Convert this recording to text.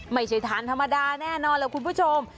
ไม่ใช่ทานธรรมดาแน่นอนล่ะคุณผู้ชม